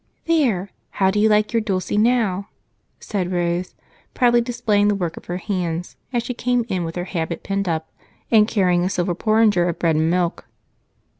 "There! How do you like your Dulce now?" said Rose, proudly displaying the work of her hands as she came in with her habit pinned up and carrying a silver porringer of bread and milk.